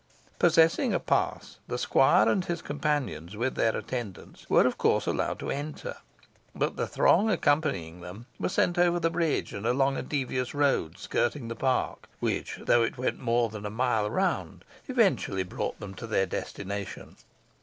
Possessing a pass, the squire and his companions with their attendants were, of course, allowed to enter; but the throng accompanying them were sent over the bridge, and along a devious road skirting the park, which, though it went more than a mile round, eventually brought them to their destination.